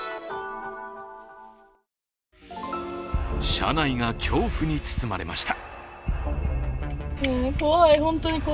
車内が恐怖に包まれました。